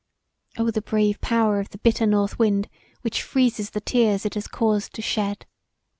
Oh the brave power of the bitter north wind which freezes the tears it has caused to shed!